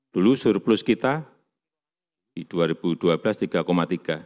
dulu surplus kita di dua ribu dua belas tiga tiga